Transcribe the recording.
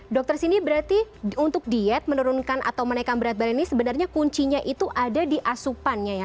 dokter cindy berarti untuk diet menurunkan atau menaikkan berat badan ini sebenarnya kuncinya itu ada di asupannya ya